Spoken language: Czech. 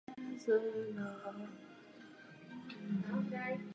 Poté po mnoho let působil jako doprovodný klavírista a komorní hráč.